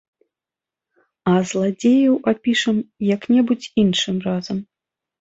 А зладзеяў апішам як-небудзь іншым разам.